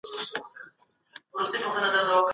د بدن پیاوړتیا لپاره مناسب وزن وساتئ.